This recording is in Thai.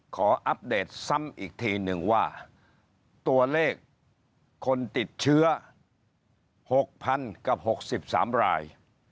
อัปเดตซ้ำอีกทีหนึ่งว่าตัวเลขคนติดเชื้อ๖๐๐๐กับ๖๓ราย